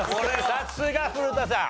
さすが古田さん！